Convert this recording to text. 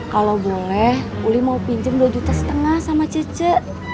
kalo boleh wuli mau pinjem dua juta setengah sama cece